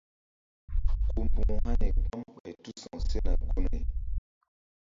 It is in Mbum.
Ku mbu̧h hani gbam ɓay tu sa̧w sena gunri.